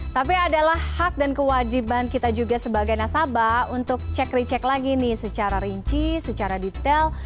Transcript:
tapi adalah hak dan kewajiban kita juga sebagai nasabah untuk cek recek lagi nih secara rinci secara detail